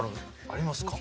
ありますか？